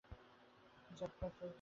য্যাপ প্যাট্রোলকে খবর দাও।